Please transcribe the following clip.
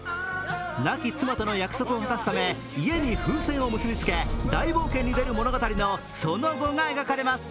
亡き妻との約束を果たすため家に風船を結びつけ、大冒険に出る物語のその後が描かれます。